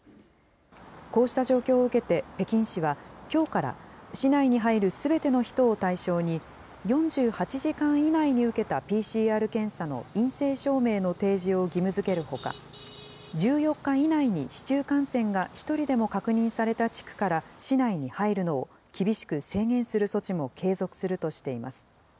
こうした状況を受けて、北京市はきょうから、市内に入るすべての人を対象に、４８時間以内に受けたＰＣＲ検査の陰性証明の提示を義務づけるほか、１４日以内に市中感染が１人でも確認された地区から市内に入るのを、厳しく制限する措置も継続するとしています。